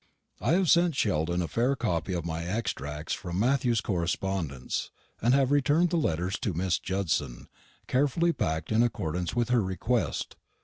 I have sent Sheldon a fair copy of my extracts from Matthew's correspondence, and have returned the letters to Miss Judson, carefully packed in accordance with her request.